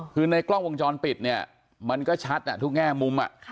คือในกล้องวงจรปิดเนี่ยมันก็ชัดทุกแง่มุม